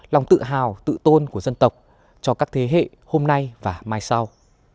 lòng tự hào tự tôn của dân tộc cho các thế hệ hôm nay và mai sau